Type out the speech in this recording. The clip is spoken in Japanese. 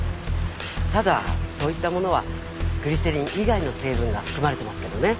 ただそういったものはグリセリン以外の成分が含まれてますけどね